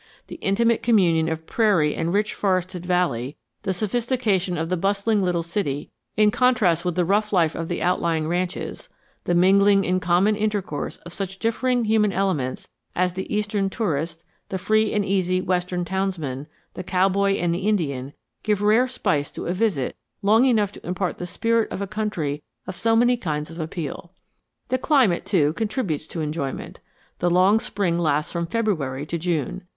The intimate communion of prairie and rich forested valley, the sophistication of the bustling little city in contrast with the rough life of the outlying ranches, the mingling in common intercourse of such differing human elements as the Eastern tourist, the free and easy Western townsman, the cowboy and the Indian, give rare spice to a visit long enough to impart the spirit of a country of so many kinds of appeal. The climate, too, contributes to enjoyment. The long spring lasts from February to June.